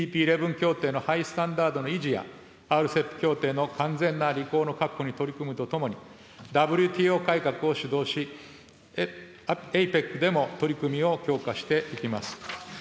１１協定のハイスタンダードの維持や、ＲＣＥＰ協定の完全な履行の確保に取り組むとともに、ＷＴＯ改革を主導し、ＡＰＥＣでも取り組みを強化していきます。